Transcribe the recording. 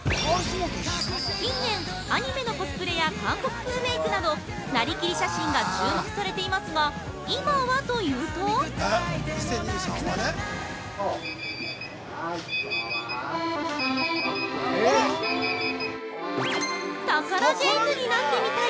近年、アニメのコスプレや韓国風メイクなど、「なりきり写真」が注目されていますが、今はというとタカラジェンヌになってみたい。